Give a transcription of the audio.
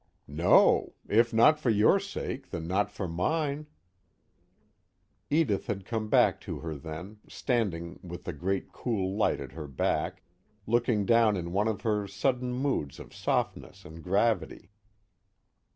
"No. If not for your sake, then not for mine." Edith had come back to her then, standing with the great cool light at her back, looking down in one of her sudden moods of softness and gravity.